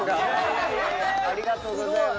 ありがとうございます。